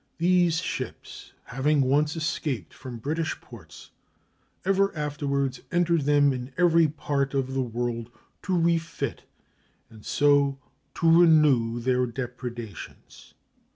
These ships, having once escaped from British ports, ever afterwards entered them in every part of the world to refit, and so to renew their depredations.